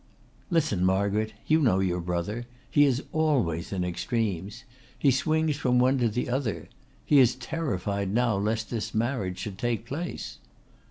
"Listen, Margaret! You know your brother. He is always in extremes. He swings from one to the other. He is terrified now lest this marriage should take place."